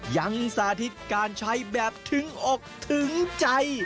ยังสาธิตการใช้แบบถึงอกถึงใจ